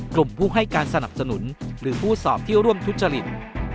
กลุ่มผู้ให้การสนับสนุนหรือผู้สอบที่ร่วมทุจริต